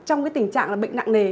trong cái tình trạng là bệnh nặng nề